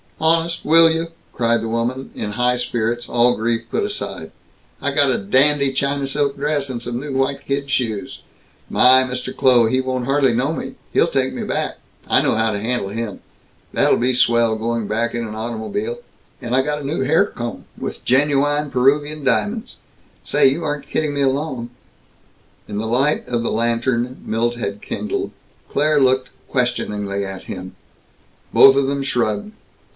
"Honest, will you?" cried the woman, in high spirits, all grief put aside. "I got a dandy China silk dress, and some new white kid shoes! My, Mr. Kloh, he won't hardly know me. He'll take me back. I know how to handle him. That'll be swell, going back in an automobile. And I got a new hair comb, with genuine Peruvian diamonds. Say, you aren't kidding me along?" In the light of the lantern Milt had kindled, Claire looked questioningly at him. Both of them shrugged.